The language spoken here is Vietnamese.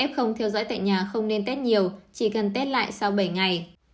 f theo dõi tại nhà không nên test nhiều chỉ cần test lại sau bảy ngày